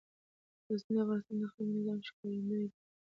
غزني د افغانستان د اقلیمي نظام ښکارندوی ده.